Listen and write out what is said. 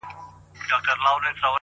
نړيږي جوړ يې کړئ دېوال په اسويلو نه سي;